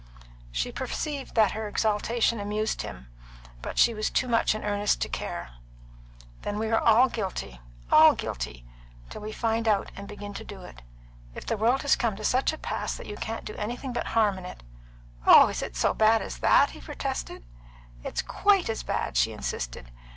She perceived that her exaltation amused him, but she was too much in earnest to care. "Then we are guilty all guilty till we find out and begin to do it. If the world has come to such a pass that you can't do anything but harm in it " "Oh, is it so bad as that?" he protested. "It's quite as bad," she insisted.